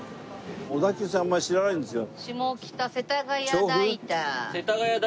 小田急線あんまり知らないんですよ。